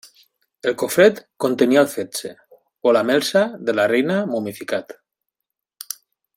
El cofret contenia el fetge o la melsa de la reina momificat.